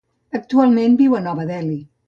Actualment viu a Nova Delhi.